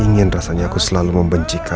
ingin rasanya aku selalu membencikanmu ya